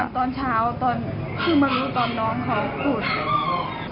ตอนเช้าพี่ไม่รู้ตอนน้องเขาอุด